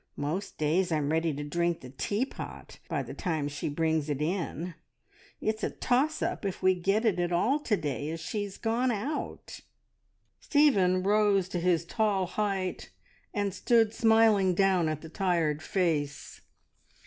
"Most days I'm ready to drink the teapot by the time she brings it in. It's a toss up if we get it at all to day as she's gone out." Stephen rose to his tall height and stood smiling down at the tired face.